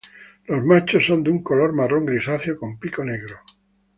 Los machos son de un color marrón grisáceo con pico negro.